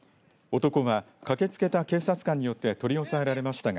男は駆けつけた警察官によって取り押さえられましたが